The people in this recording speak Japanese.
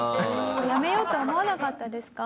やめようとは思わなかったですか？